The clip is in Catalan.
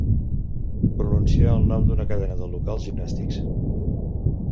Pronunciar el nom d'una cadena de locals gimnàstics.